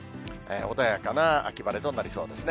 穏やかな秋晴れとなりそうですね。